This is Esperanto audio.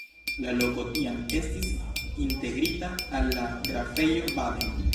La loko tiam estis integrita al la Grafejo Baden.